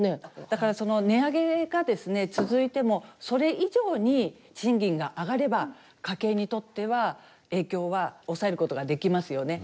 だからその値上げがですね続いてもそれ以上に賃金が上がれば家計にとっては影響は抑えることができますよね。